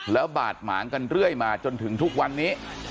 แล้วบาดหมางกันเรื่อยมาจนถึงทุกวันนี้